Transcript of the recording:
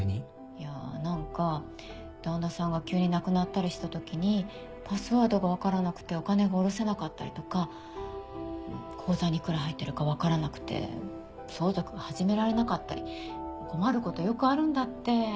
いや何か旦那さんが急に亡くなったりした時にパスワードが分からなくてお金が下ろせなかったりとか口座にいくら入ってるか分からなくて相続が始められなかったり困ることよくあるんだって。